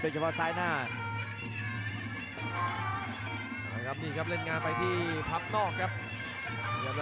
เอาแบบนี้เข้ามาตบด้วยหมัด๑๒